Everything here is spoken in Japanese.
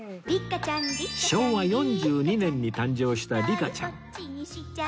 昭和４２年に誕生したリカちゃん